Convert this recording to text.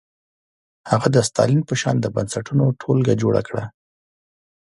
هغه د ستالین په شان د بنسټونو ټولګه جوړه کړه.